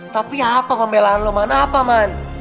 tapi apa pembelahan lo man apa man